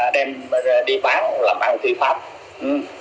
đem đi bán làm ăn thi pháp